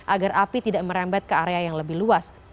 agar api tidak merembet ke area yang lebih luas